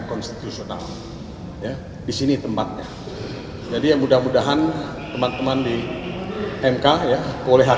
konstitusional ya disini tempatnya jadi mudah mudahan teman teman di mk ya keolehan